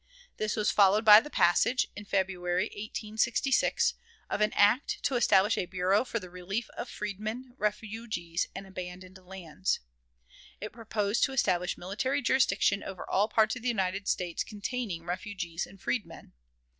This was followed by the passage, in February, 1866, of "an act to establish a bureau for the relief of freedmen, refugees, and abandoned lands." It proposed to establish military jurisdiction over all parts of the United States containing refugees and freedmen.